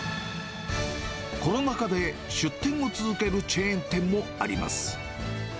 コロナ禍で出店を続けるチェーン店もあります。